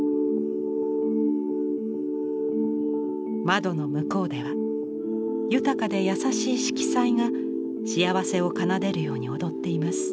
窓の向こうでは豊かで優しい色彩が幸せを奏でるように踊っています。